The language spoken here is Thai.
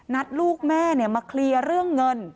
ลูกแม่มาเคลียร์เรื่องเงิน